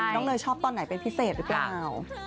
เนยชอบตอนไหนเป็นพิเศษหรือเปล่า